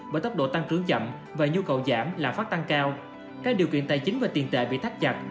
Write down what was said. bởi tốc độ tăng trưởng chậm và nhu cầu giảm là phát tăng cao các điều kiện tài chính và tiền tệ bị thắt chặt